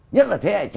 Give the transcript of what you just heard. nhất là thế hệ trẻ